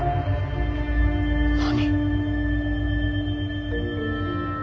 何？